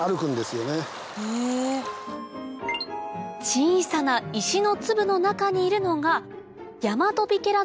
小さな石の粒の中にいるのがヤマトビケラ